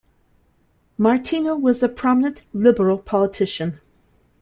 Martino was a prominent Liberal politician.